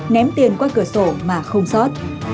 ném tiền qua cửa sổ mà không xót